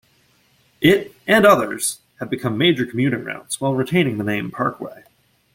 It and others have become major commuting routes, while retaining the name parkway.